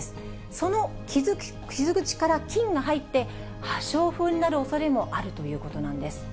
その傷口から菌が入って破傷風になるおそれもあるということなんです。